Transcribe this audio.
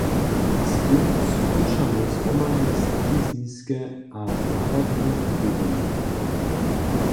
Z tym skrućamy zhromadne stawizniske a narodne wědomje.